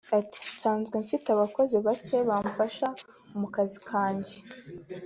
Ati “Nsanzwe mfite abakozi bake bamfasha mu kazi kanjye